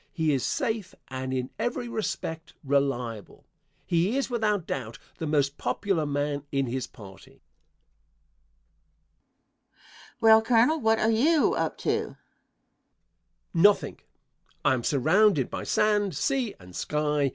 He is safe and in every respect reliable. He is without doubt the most popular man in his party. Question. Well, Colonel, what are you up to? Answer. Nothing. I am surrounded by sand, sea and sky.